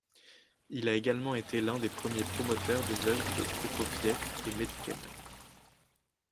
Il a également été l'un des premiers promoteurs des œuvres de Prokofiev et Medtner.